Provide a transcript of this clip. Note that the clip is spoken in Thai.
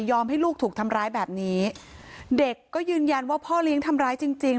ให้ลูกถูกทำร้ายแบบนี้เด็กก็ยืนยันว่าพ่อเลี้ยงทำร้ายจริงจริง